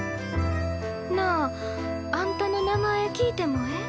なああんたの名前聞いてもええ？